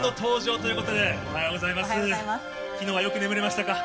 きのうはよく眠れましたか。